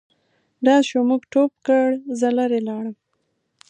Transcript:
ډز شو موږ ټوپ کړ زه لیري لاړم.